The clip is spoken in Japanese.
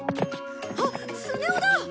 あっスネ夫だ！